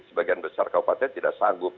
sebagian besar kabupaten tidak sanggup